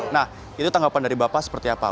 nah itu tanggapan dari bapak seperti apa